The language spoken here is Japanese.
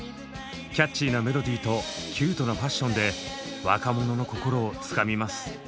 キャッチーなメロディーとキュートなファッションで若者の心をつかみます。